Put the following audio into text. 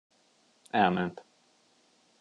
Elment.